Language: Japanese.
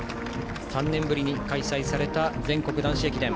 ３年ぶりに開催された全国男子駅伝。